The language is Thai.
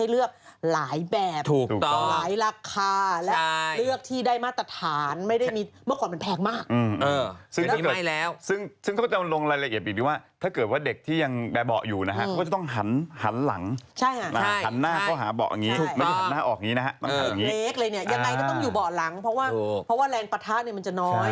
รถเบลท์เนี่ยนะแค่วิ่ง๖๐กิโลเมตร